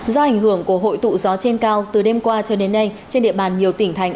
do ảnh hưởng của hội tụ gió trên cao từ đêm qua cho đến nay trên địa bàn nhiều tỉnh thành